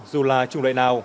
dù là trùng đại nào